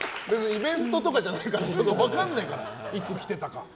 イベントとかじゃないから分からないから、いつ来てたか。